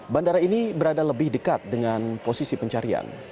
bandara ini berada lebih dekat dengan posisi pencarian